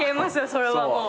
それはもう。